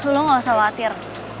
lo gak usah khawatir